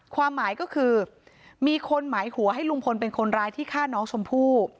ความหมายก็คือมีคนหมายหัวให้ลุงพลเป็นคนร้ายที่ฆ่าน้องชมพู่